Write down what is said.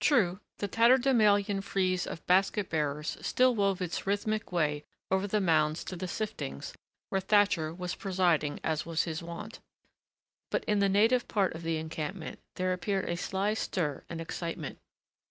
True, the tatterdemalion frieze of basket bearers still wove its rhythmic way over the mounds to the siftings where Thatcher was presiding as was his wont, but in the native part of the encampment there appeared a sly stir and excitement.